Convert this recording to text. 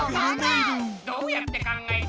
どうやって考えた？